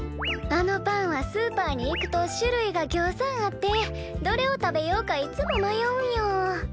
あのパンはスーパーに行くと種類がぎょうさんあってどれを食べようかいつも迷うんよ。